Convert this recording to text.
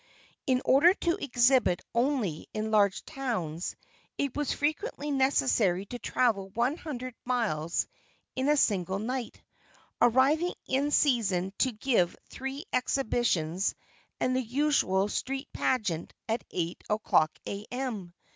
In order to exhibit only in large towns, it was frequently necessary to travel one hundred miles in a single night, arriving in season to give three exhibitions and the usual street pageant at 8 o'clock A.M.